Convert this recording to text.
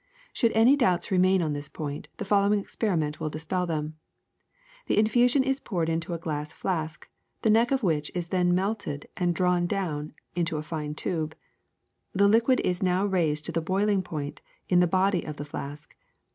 ^* Should any doubts remain on this point, the fol lowing experiment will dispel them. The infusion is poured into a glass flask, the neck of which is then melted and drawn out into a fine tube. The liquid is now raised to the boiling point in the body of the flask.